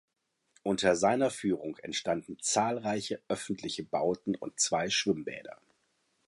Unter seiner Führung entstanden zahlreiche öffentliche Bauten und zwei Schwimmbäder.